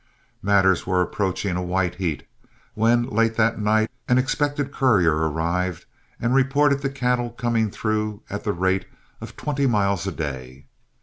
Matters were approaching a white heat, when late that night an expected courier arrived, and reported the cattle coming through at the rate of twenty miles a day.